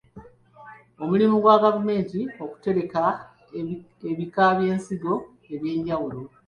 Mulimu gwa gavumenti okutereka ebika by'ensigo eby'enjawulo.